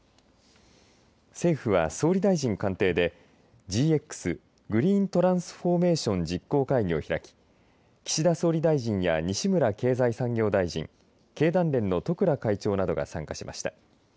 政府は、総理大臣官邸でＧＸ、グリーントランスフォーメンション実行会議を開き岸田総理大臣や西村経済産業大臣経団連の十倉会長などが参加しました。